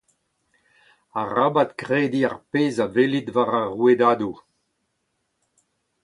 Arabat krediñ ar pezh a welit war ar rouedadoù.